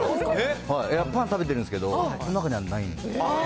パン食べてるんですけど、この中にはないですね。